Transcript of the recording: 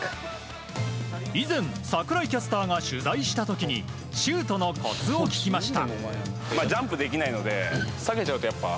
以前、櫻井キャスターが取材した時にシュートのコツを聞きました。